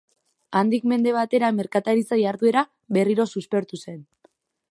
Handik mende batera merkataritza jarduera berriro suspertu zen.